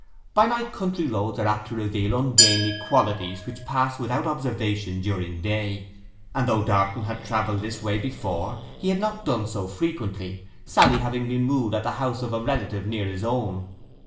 By night country roads are apt to reveal ungainly qualities which pass without observation during day; and though Darton had travelled this way before, he had not done so frequently, Sally having been wooed at the house of a relative near his own.